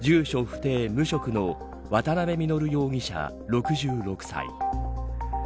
不定無職の渡部稔容疑者、６６歳。